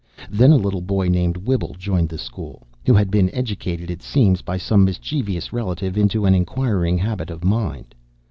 Then a little boy named Whibble joined the school, who had been educated (it seems) by some mischievous relative into an inquiring habit of mind.